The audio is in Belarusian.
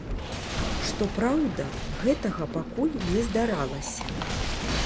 Што праўда, гэтага пакуль не здаралася.